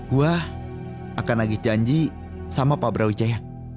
gue akan nagih janji sama pak brawijaya